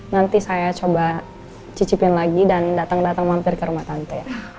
nanti saya coba cicipin lagi dan datang datang mampir ke rumah tante